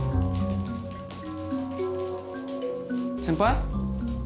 先輩？